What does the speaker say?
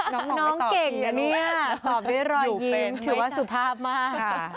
น้องเก่งนะเนี่ยตอบด้วยรอยยิ้มถือว่าสุภาพมาก